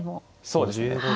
そうですね。